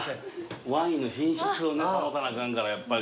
ワインの品質を保たなあかんからやっぱり。